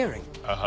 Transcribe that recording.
ああ。